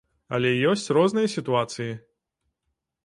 Але ёсць розныя сітуацыі.